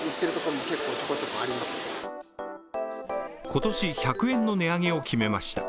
今年、１００円の値上げを決めました。